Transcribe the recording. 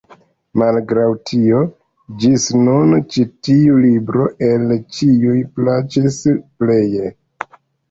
Malgraŭ tio, ĝis nun ĉi tiu libro el ĉiuj plaĉis pleje.